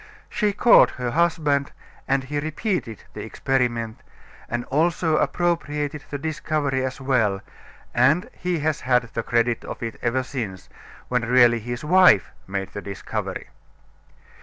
She called her husband and he repeated the experiment, and also appropriated the discovery as well, and he has had the credit of it ever since, when really his wife made the discovery.